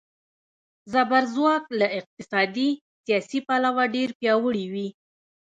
زبرځواک له اقتصادي، سیاسي پلوه ډېر پیاوړي وي.